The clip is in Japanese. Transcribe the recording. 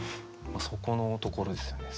そこのところですよね。